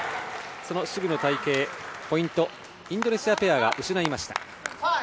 その守備の隊形ポイントインドネシアペアが失いました。